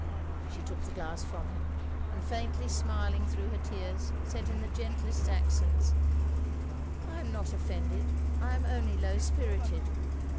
She took the glass from him; and faintly smiling thro' her tears, said in the gentlest accents 'I am not offended I am only low spirited.